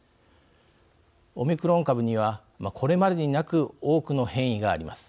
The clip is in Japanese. オミクロン株にはこれまでになく多くの変異があります。